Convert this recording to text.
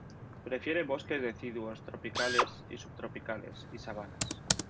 Prefiere bosques deciduos tropicales y subtropicales, y sabanas.